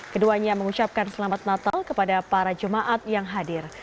keduanya mengucapkan selamat natal kepada para jemaat yang hadir